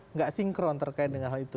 nggak sinkron terkait dengan hal itu